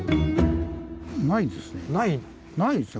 ないですね